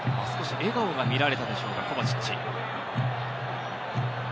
少し笑顔が見られたでしょうか、コバチッチ。